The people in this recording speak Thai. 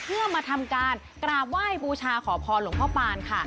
เพื่อมาทำการกราบไหว้บูชาขอพรหลวงพ่อปานค่ะ